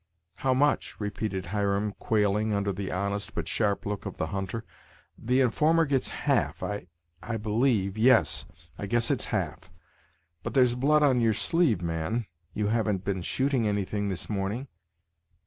"How much?" repeated Hiram, quailing under the honest but sharp look of the hunter; "the informer gets half, I I believe yes, I guess it's half. But there's blood on your sleeve, man you haven't been shooting anything this morning?"